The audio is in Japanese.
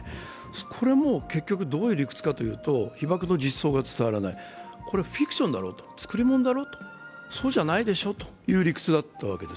これも結局どういう理屈かというと被爆の実相が伝わらない、これ、フィクションだろうと、作り物だろうと、そうじゃないでしょという理屈だったわけです。